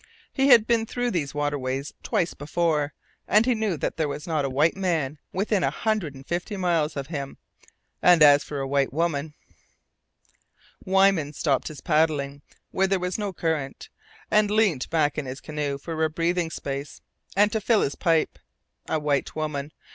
He had been through these waterways twice before, and he knew that there was not a white man within a hundred and fifty miles of him. And as for a white woman Weyman stopped his paddling where there was no current, and leaned back in his canoe for a breathing space, and to fill his pipe. A WHITE WOMAN!